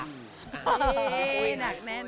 เฮ้หนักแน่น